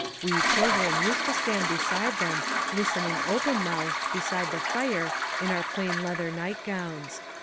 We children used to stand beside them listening open mouthed beside the fire in our plain leather night gowns.